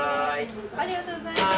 ありがとうございます。